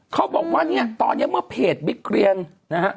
เขาบอกว่าเนี่ยตอนนี้เมื่อเพจบิ๊กเรียนนะฮะ